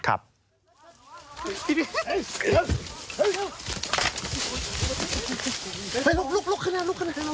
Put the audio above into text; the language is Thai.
ลุกข้างหน้าระวัง